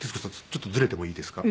ちょっとずれてもいいですか？